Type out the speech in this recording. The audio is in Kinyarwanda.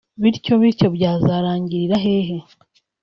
bityo bityo byazarangirira hehe